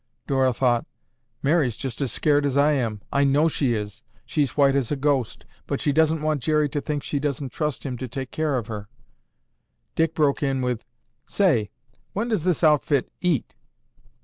Dora thought, "Mary's just as scared as I am. I know she is. She's white as a ghost, but she doesn't want Jerry to think she doesn't trust him to take care of her." Dick broke in with, "Say, when does this outfit eat?"